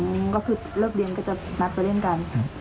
อืมก็คือเลิกเรียนก็จะนัดไปเล่นกัน